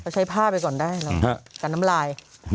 ใช้ผ้าไปก่อนได้เนอะกันน้ำลาย